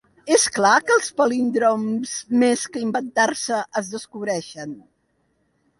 És clar que els palíndroms, més que inventar-se, es descobreixen.